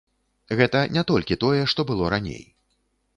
Гэта не толькі тое, што было раней.